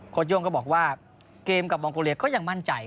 โย่งก็บอกว่าเกมกับมองโกเลียก็ยังมั่นใจ